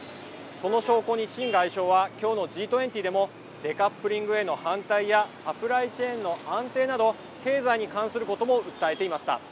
その証拠に秦外相は今日のＧ２０でもデカップリングへの反対やサプライチェーンの安定など経済に関することも訴えていました。